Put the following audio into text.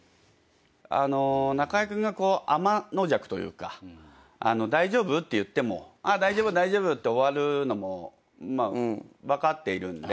中居君があまのじゃくというか「大丈夫？」って言っても「大丈夫大丈夫」って終わるのも分かっているんで。